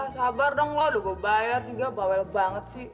sabar dong loh udah gue bayar juga bawel banget sih